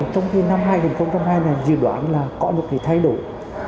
trong cái năm hai nghìn hai mươi hai này dự đoán là có một cái thay đổi